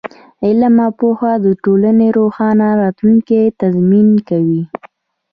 علم او پوهه د ټولنې د روښانه راتلونکي تضمین کوي.